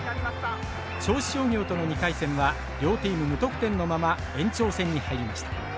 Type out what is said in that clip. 銚子商業との２回戦は両チーム無得点のまま延長戦に入りました。